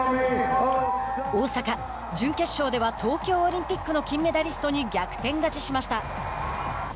大坂、準決勝では東京オリンピックの金メダリストに逆転勝ちしました。